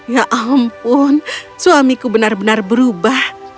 ya ampun suamiku benar benar berubah